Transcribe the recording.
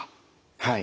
はい。